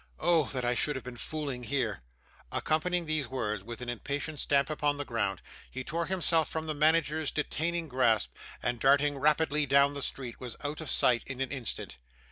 Oh! that I should have been fooling here!' Accompanying these words with an impatient stamp upon the ground, he tore himself from the manager's detaining grasp, and darting rapidly down the street was out of sight in an instant.